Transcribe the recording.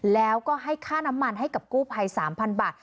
แล้วก็ให้ค่าน้ำมันให้กับกู้ภัย๓๐๐บาท